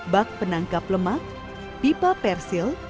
bak penangkap lemak pipa persil